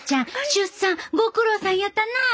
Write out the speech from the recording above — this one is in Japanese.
出産ご苦労さんやったなぁ。